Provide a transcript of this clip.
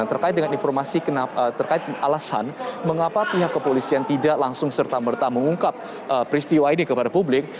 terkait dengan informasi terkait alasan mengapa pihak kepolisian tidak langsung serta merta mengungkap peristiwa ini kepada publik